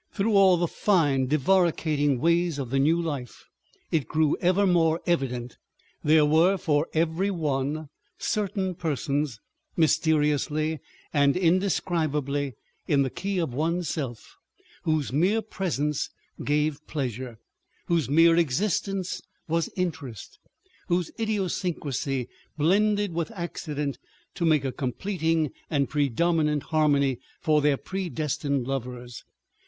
Through all the fine, divaricating ways of the new life, it grew ever more evident, there were for every one certain persons, mysteriously and indescribably in the key of one's self, whose mere presence gave pleasure, whose mere existence was interest, whose idiosyncrasy blended with accident to make a completing and predominant harmony for their predestined lovers.